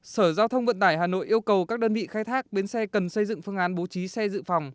sở giao thông vận tải hà nội yêu cầu các đơn vị khai thác bến xe cần xây dựng phương án bố trí xe dự phòng